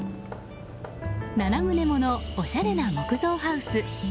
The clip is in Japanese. ７棟ものおしゃれな木造ハウス。